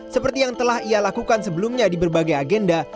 seperti yang telah ia lakukan sebelumnya di berbagai agenda